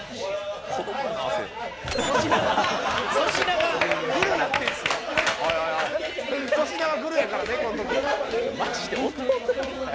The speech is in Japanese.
「粗品はグルやからねこの時」「マジで弟」